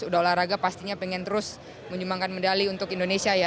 udah olahraga pastinya pengen terus menyumbangkan medali untuk indonesia ya